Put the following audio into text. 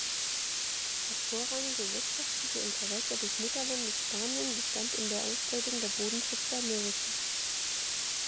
Das vorrangige wirtschaftliche Interesse des Mutterlandes Spanien bestand in der Ausbeutung der Bodenschätze Amerikas.